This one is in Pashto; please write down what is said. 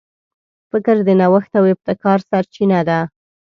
فکر د نوښت او ابتکار سرچینه ده.